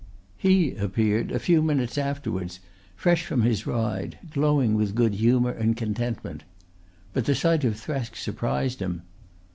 He appeared a few minutes afterwards fresh from his ride, glowing with good humour and contentment. But the sight of Thresk surprised him.